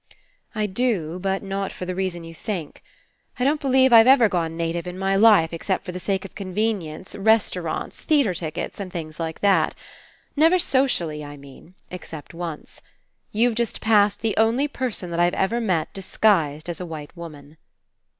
"I do, but not for the reason you think. 183 PASSING I don't believe I've ever gone native in my life except for the sake of convenience, restaurants, theatre tickets, and things like that. Never so cially I mean, except once. You've just passed the only person that I've ever met disguised as a white woman."